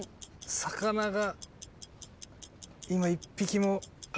魚が。